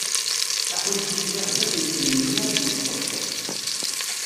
Aḥulfu-s d uḥdiq yessen melmi ara d-yesṭebṭeb.